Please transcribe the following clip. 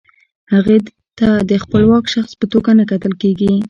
هغې ته د خپلواک شخص په توګه نه کتل کیږي.